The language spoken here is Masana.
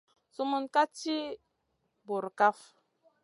Sumun ka tiya bura kaf.